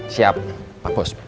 siap pak bos